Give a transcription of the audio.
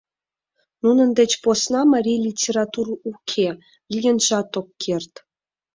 Нунын деч посна марий литератур уке, лийынжат ок керт.